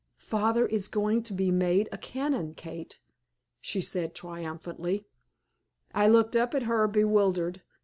"Father is to be made a canon, Kate," she said, triumphantly. I looked up at her bewildered.